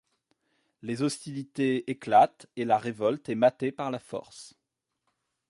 Les hostilités éclatent et la révolte est matée par la force.